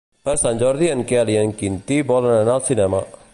Per Sant Jordi en Quel i en Quintí volen anar al cinema.